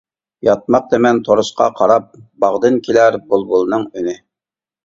ياتماقتىمەن تورۇسقا قاراپ، باغدىن كېلەر بۇلبۇلنىڭ ئۈنى.